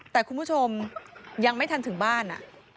แต่คุณผู้ชมยังไม่ทันถึงบ้าน